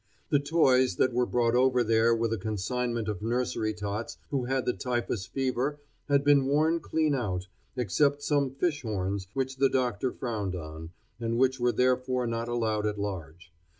The toys that were brought over there with a consignment of nursery tots who had the typhus fever had been worn clean out, except some fish horns which the doctor frowned on, and which were therefore not allowed at large.